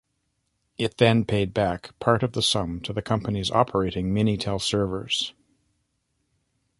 It then paid back part of the sum to the companies operating Minitel servers.